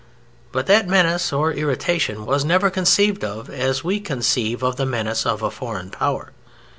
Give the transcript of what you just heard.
But that menace or irritation was never conceived of as we conceive of the menace of a foreign power.